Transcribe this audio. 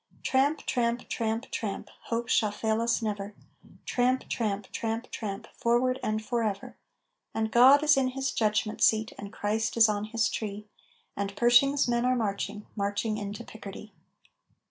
Tramp, tramp, tramp, tramp, Hope shall fail us never Tramp, tramp, tramp, tramp, Forward, and forever! And God is in His judgment seat, and Christ is on His tree And Pershing's men are marching, marching into Picardy.